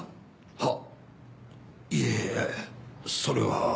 はっいえそれは。